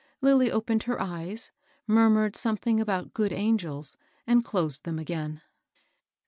Lilly opened her eyes, murmured something about " good angels," and closed them again.